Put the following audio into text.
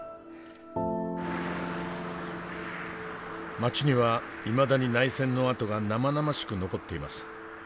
街にはいまだに内戦の跡が生々しく残っています。